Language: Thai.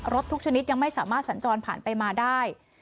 ทุกชนิดยังไม่สามารถสัญจรผ่านไปมาได้